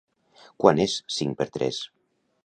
Quant és cinc per tres.